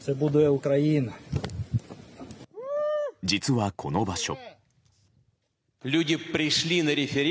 実は、この場所。